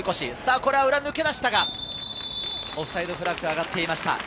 これは裏に抜け出したが、オフサイドフラッグが上がっていました。